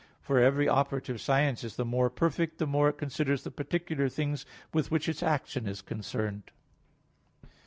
For every operative science is the more perfect, the more it considers the particular things with which its action is concerned.